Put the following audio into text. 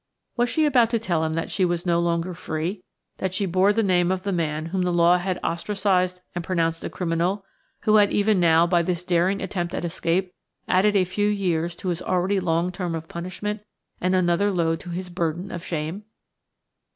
Was she about to tell him that she was no longer free, that she bore the name of the man whom the law had ostracised and pronounced a criminal–who had even now, by this daring attempt at escape, added a few years to his already long term of punishment and another load to his burden of shame?